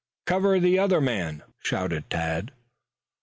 "Cover the other man!" shouted Tad.